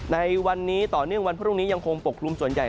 ในวันนี้ต่อเนื่องวันพรุ่งนี้ยังคงปกคลุมส่วนใหญ่